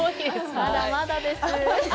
まだまだです。